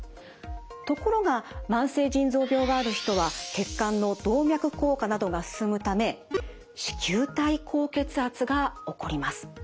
ところが慢性腎臓病がある人は血管の動脈硬化などが進むため糸球体高血圧が起こります。